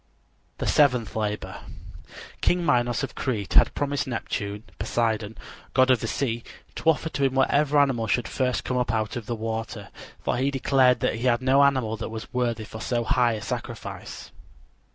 THE SEVENTH LABOR King Minos of Crete had promised Neptune (Poseidon), god of the sea, to offer to him whatever animal should first come up out of the water, for he declared he had no animal that was worthy for so high a sacrifice.